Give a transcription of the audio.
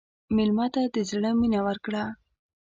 مېلمه ته د زړه مینه ورکړه.